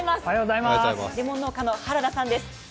レモン農家の原田さんです。